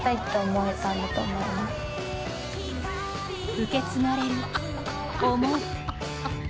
受け継がれる思い。